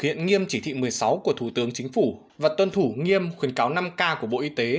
thực hiện nghiêm chỉ thị một mươi sáu của thủ tướng chính phủ và tuân thủ nghiêm khuyến cáo năm k của bộ y tế